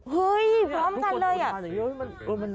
เฮ้ยพร้อมกันเลย